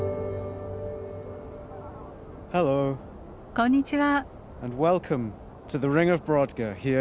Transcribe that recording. こんにちは。